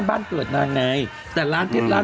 ก็เกิดเวยอ่ะเนาะ